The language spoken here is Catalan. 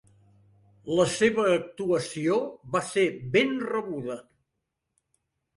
La seva actuació va ser ben rebuda.